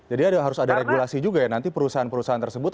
jadi harus ada regulasi juga ya nanti perusahaan perusahaan tersebut